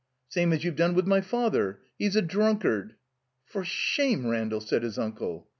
Same as you've done with my father. He's a drunkard —" "For shame, Randall," said his uncle.